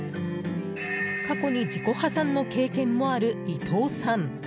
過去に自己破産の経験もある伊藤さん。